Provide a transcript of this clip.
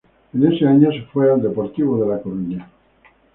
En ese año se fue al Deportivo de La Coruña.